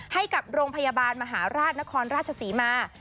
ให้กับโรงพยาบาลมหาราชนครราชศรีมา